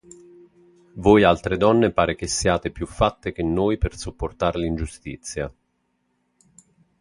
Voi altre donne pare che siate più fatte che noi per sopportar l'ingiustizia.